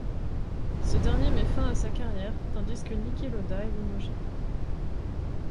Ce dernier met fin à sa carrière tandis que Niki Lauda est limogé.